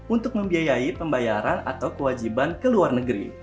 untuk membiayai pembayaran atau kewajiban ke luar negeri